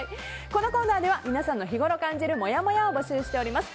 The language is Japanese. このコーナーでは皆さんの日ごろ感じるもやもやを募集しております。